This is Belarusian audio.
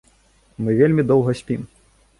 Мы вельмі доўга спім.